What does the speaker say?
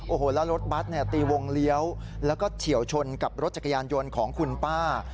โอ้โหแล้วรถบัตรเนี่ยตีวงเลี้ยวแล้วก็เฉียวชนกับรถจักรยานยนต์ของคุณป้า